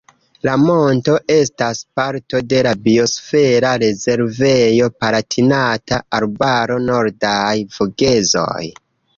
La monto estas parto de la biosfera rezervejo Palatinata Arbaro-Nordaj Vogezoj.